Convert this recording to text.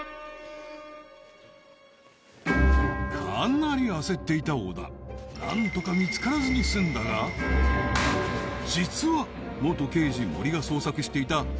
かなり焦っていた小田何とか見つからずに済んだが実は元刑事・森が捜索していた